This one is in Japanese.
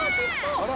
あら！